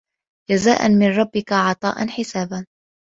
جَزاءً مِن رَبِّكَ عَطاءً حِسابًا